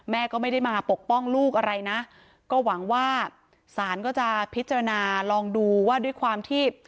แม่ก็ไม่ได้มาปกป้องลูกอะไรนะก็หวังว่าศาลก็จะพิจารณาลองดูว่าด้วยความที่